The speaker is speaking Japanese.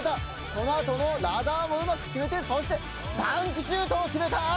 そのあとのラダーもうまく決めてダンクシュートも決めた！